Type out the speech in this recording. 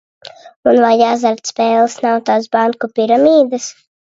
"Un vai azartspēles nav tās "banku piramīdas"?"